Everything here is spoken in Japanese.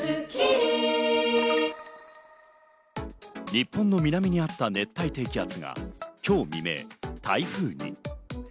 日本の南にあった熱帯低気圧が、今日未明、台風に。